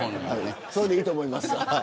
それでいいと思います。